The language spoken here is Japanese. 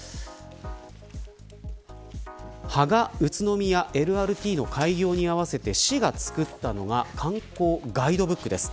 芳賀・宇都宮ＬＲＴの開業に合わせて市が作ったのがガイドブックです。